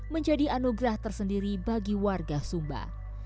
menjadi anugerah tersendiri bagi warga sumba